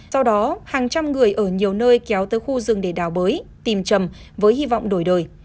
do đó hàng trăm người ở nhiều nơi kéo tới khu rừng để đào bới tìm chầm với hy vọng đổi đời